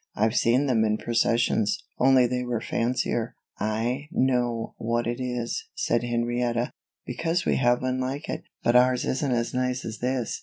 I've seen them in processions, only they were fancier." "I know what it is," said Henrietta, "because we have one like it, but ours isn't as nice as this."